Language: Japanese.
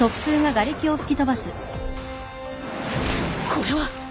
これは